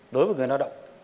đối với người lao động